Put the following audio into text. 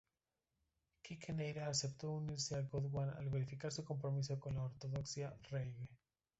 Quique Neira aceptó unirse a Gondwana al verificar su compromiso con la ortodoxia reggae.